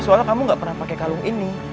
soalnya kamu gak pernah pakai kalung ini